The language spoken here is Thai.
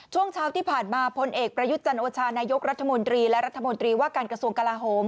ช่วงเช้าที่ผ่านมาพลเอกประยุทธ์จันโอชานายกรัฐมนตรีและรัฐมนตรีว่าการกระทรวงกลาโหม